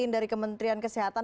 dari kementerian kesehatan